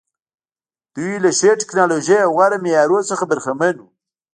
دوی له ښې ټکنالوژۍ او غوره معیارونو څخه برخمن وو.